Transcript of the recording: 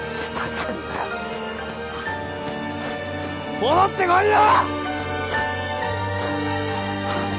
戻ってこいよ！